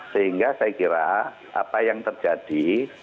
sehingga saya kira apa yang terjadi